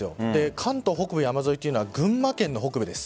関東北部の山沿いというのは群馬県の北部です。